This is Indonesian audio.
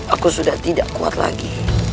aku sudah tidak kuat lagi